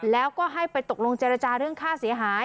แล้วก็ให้ไปตกลงเจรจาเรื่องค่าเสียหาย